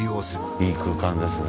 いい空間ですね。